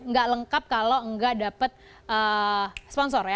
nggak lengkap kalau nggak dapat sponsor ya